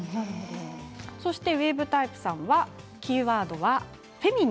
ウエーブタイプさんはキーワードはフェミニン。